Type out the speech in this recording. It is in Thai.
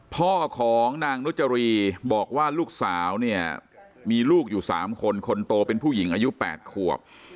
พ่อของนางนุจรีบอกว่าลูกสาวเนี่ยมีลูกอยู่๓คนคนโตเป็นผู้หญิงอายุ๘ขวบ